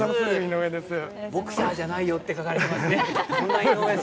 ボクサーじゃないよと書かれていますね。